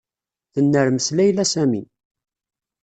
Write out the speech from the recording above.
Tennermes Layla Sami.